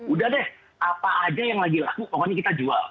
udah deh apa aja yang lagi laku pokoknya kita jual